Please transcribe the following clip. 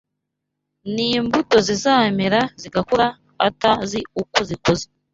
n’imbuto ziramera zigakura, atazi uko zikuze